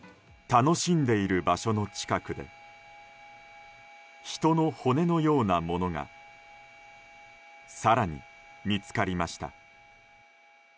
楽しんでいる場所の近くで人の骨のようなものが更に見つかりました。